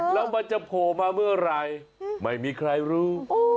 แล้วมันจะโผล่มาเมื่อไหร่ไม่มีใครรู้